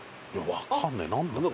わかんねえなんだ？